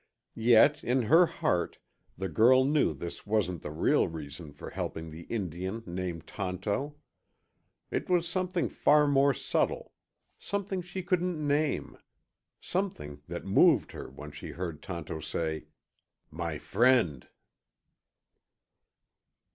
Yet, in her heart, the girl knew this wasn't the real reason for helping the Indian named Tonto. It was something far more subtle; something she couldn't name; something that moved her when she heard Tonto say, "My friend."